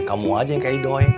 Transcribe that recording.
kamu aja yang kayak idoy